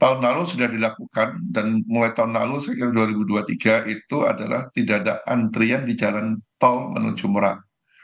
tahun lalu sudah dilakukan dan mulai tahun lalu saya kira dua ribu dua puluh tiga itu adalah tidak ada antrian di jalan tol menuju merak